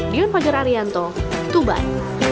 diun pajar arianto tuban